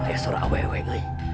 saya suruh awal awal